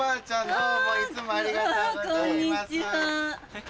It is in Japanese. どうもいつもありがとうございます。